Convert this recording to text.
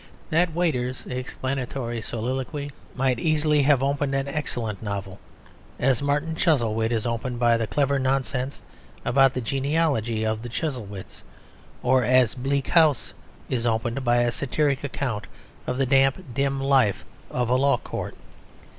That waiter's explanatory soliloquy might easily have opened an excellent novel, as Martin Chuzzlewit is opened by the clever nonsense about the genealogy of the Chuzzlewits, or as Bleak House is opened by a satiric account of the damp, dim life of a law court.